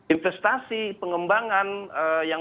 investasi pengembangan yang